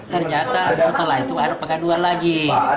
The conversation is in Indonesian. ternyata setelah itu ada pengaduan lagi